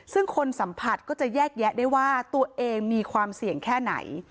ซึ่งคนสัมผัสก็จะแยกแยะได้ว่าตัวเองมีความเสี่ยงแค่ไหน